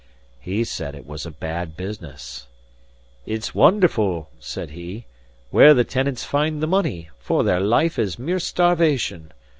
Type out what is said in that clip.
He said it was a bad business. "It's wonderful," said he, "where the tenants find the money, for their life is mere starvation.